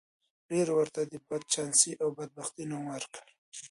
ډېرو ورته د بدچانسۍ او بدبختۍ نوم ورکړی دی.